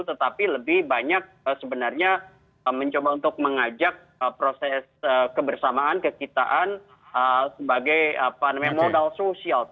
tetapi lebih banyak sebenarnya mencoba untuk mengajak proses kebersamaan kekitaan sebagai modal sosial